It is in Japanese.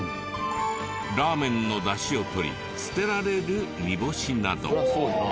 ラーメンのだしを取り捨てられる煮干しなど。